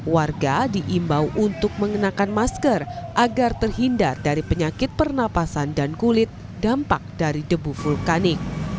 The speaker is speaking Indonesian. warga diimbau untuk mengenakan masker agar terhindar dari penyakit pernapasan dan kulit dampak dari debu vulkanik